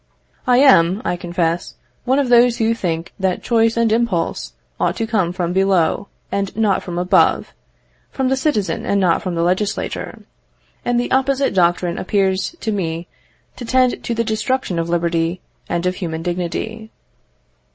I am, I confess, one of those who think that choice and impulse ought to come from below and not from above, from the citizen and not from the legislator; and the opposite doctrine appears to me to tend to the destruction of liberty and of human dignity.